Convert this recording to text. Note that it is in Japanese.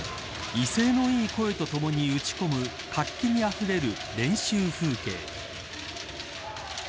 威勢のいい声と共に打ち込む活気にあふれる練習風景。